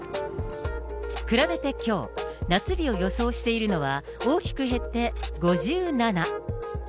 比べてきょう、夏日を予想しているのは、大きく減って５７。